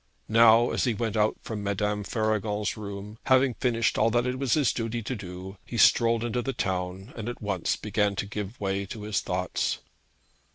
Now, as he went out from Madame Faragon's room, having finished all that it was his duty to do, he strolled into the town, and at once began to give way to his thoughts.